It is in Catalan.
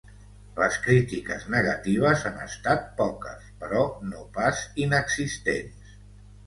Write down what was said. Les crítiques negatives han estat poques, però no pas inexistents.